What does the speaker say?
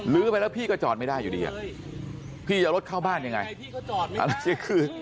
ลื้อไปแล้วพี่ก็จอดไม่ได้อยู่ดีพี่จะเอารถเข้าบ้านยังไง